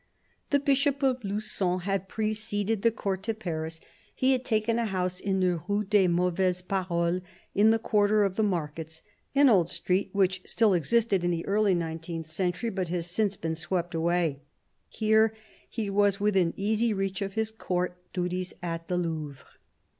The Bishop of Lugon had preceded the Court to Paris. He had taken a house in the Rue des Mauvaises Paroles, in the quarter of the markets ; an old street which still existed in the early nineteenth century, but has since been swept away. Here he was within easy reach of his Court duties at the Louvre.